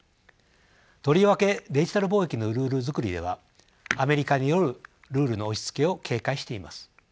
とりわけデジタル貿易のルールづくりではアメリカによるルールの押しつけを警戒しています。